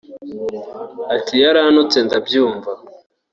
Ati “Yarantutse ndabyumva